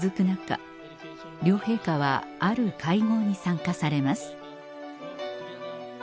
中両陛下はある会合に参加されます